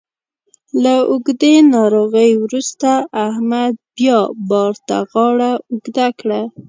له اوږدې ناروغۍ وروسته احمد بیا بار ته غاړه اوږده کړه.